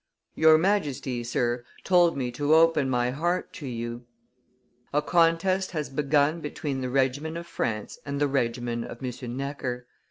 "Your Majesty, Sir, told me to open my heart to you: a contest has begun between the regimen of France and the regimen of M. Necker.